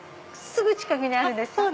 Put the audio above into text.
すぐ近くにあるんです。